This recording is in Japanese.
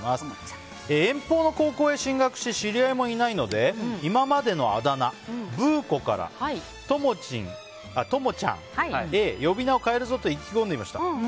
遠方の高校へ進学し知り合いもいないので今までのあだ名、ブー子からともちゃんへ呼び名を変えるぞと意気込んでいました。